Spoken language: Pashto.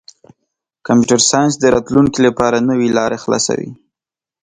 کمپیوټر ساینس د راتلونکي لپاره نوې لارې خلاصوي.